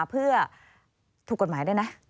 เพื่อถูกกฎหมายด้วยนะ